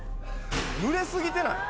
・ぬれ過ぎてない？